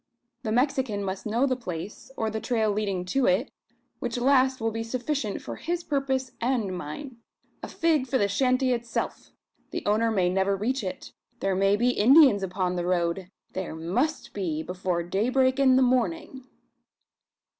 The Mexican must know the place, or the trail leading to it; which last will be sufficient for his purpose and mine. A fig for the shanty itself! The owner may never reach it. There may be Indians upon the road! There must be, before daybreak in the morning!"